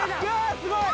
◆すごい。